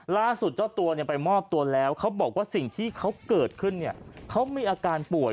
ล่าสุดเจ้าตัวไปมอบตัวแล้วเขาบอกว่าสิ่งที่เขาเกิดขึ้นเนี่ยเขามีอาการป่วย